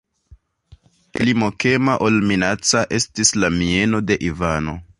Pli mokema ol minaca estis la mieno de Ivano.